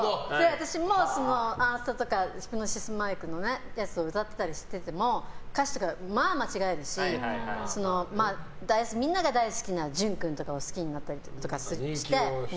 私もアンスタとかヒプノシスマイクのやつを歌ってたりしてても歌詞とかまあ間違えるしみんなが大好きなジュン君とか好きになったりとかして。